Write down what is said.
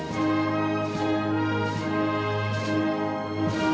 สวัสดีครับ